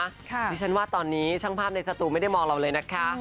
ดิฉันว่าตอนนี้ช่างภาพในสตูไม่ได้มองเราเลยนะคะ